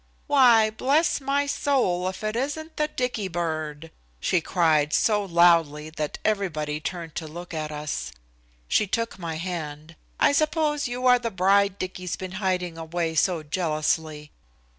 "Why, bless my soul, if it isn't the Dicky bird," she cried so loudly that everybody turned to look at us. She took my hand. "I suppose you are the bride Dicky's been hiding away so jealously."